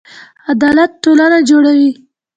عدالت ټولنه جوړوي